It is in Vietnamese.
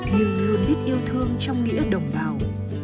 nhưng luôn biết yêu thương trong nghĩa đồng bào